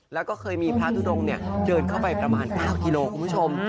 แล้วก็เคยมีพระทุดงเดินเข้าไปประมาณ๙กิโลคุณผู้ชม